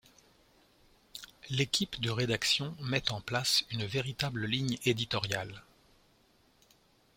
L’équipe de rédaction met en place une véritable ligne éditoriale.